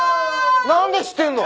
なんで知ってるの！？